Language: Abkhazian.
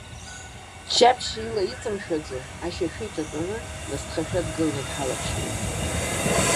Ччаԥшь ила иҵымшәаӡо, ашьашәы иҿатәаны насҭхашәа дгыланы дҳалаԥшуеит.